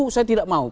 saya tidak mau